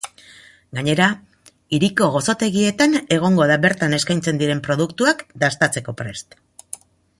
Gainera, hiriko gozotegietan egongo da bertan eskaintzen diren produktuak dastatzeko prest.